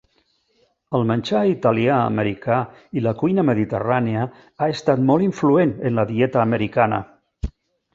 El menjar italià-americà i la cuina mediterrània ha estat molt influent en la dieta americana.